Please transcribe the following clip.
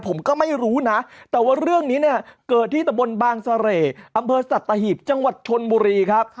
ผมก็ไม่รู้นะแต่ว่าเรื่องนี้เนี่ยเกิดที่ตะบนบางเสร่อำเภอสัตหีบจังหวัดชนบุรีครับ